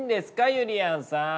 ゆりやんさん。